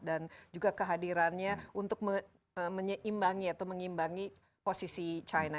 juga kehadirannya untuk menyeimbangi atau mengimbangi posisi china